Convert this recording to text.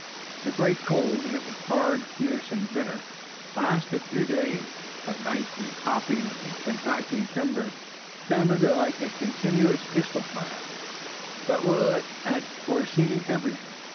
The great cold, and it was hard, fierce and bitter, lasted two days. At night the popping of the contracting timbers sounded like a continuous pistol fire, but Willet had foreseen everything.